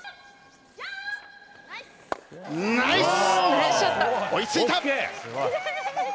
ナイス！